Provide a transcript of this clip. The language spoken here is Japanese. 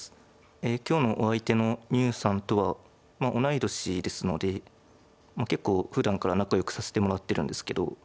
今日のお相手の牛さんとは同い年ですので結構ふだんから仲よくさせてもらってるんですけど。